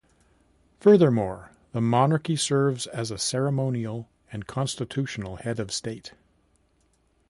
Furthermore, the monarchy serves as a ceremonial and constitutional head of state.